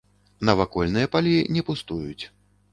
Навакольныя палі не пустуюць.